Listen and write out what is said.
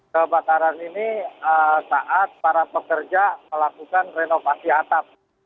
kebakaran ini saat para pekerja melakukan renovasi atap